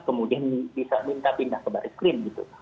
kemudian bisa minta pindah ke baris krim gitu